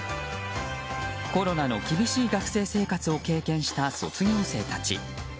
コロナの厳しい学生生活を経験した卒業生たち。